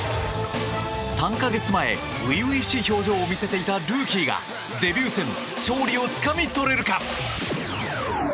３か月前、初々しい表情を見せていたルーキーがデビュー戦勝利をつかみ取れるか。